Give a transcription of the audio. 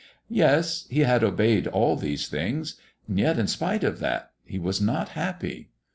Yes, he had obeyed all these things, and yet, in spite of that, he was not happy.